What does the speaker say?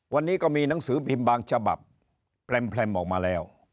วันนี้ก็มีหนังสือพิมพ์บางฉบับแพร่มออกมาแล้ว